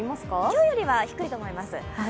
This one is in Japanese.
今日よりは低いと思います。